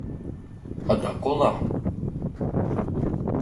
Адак ола.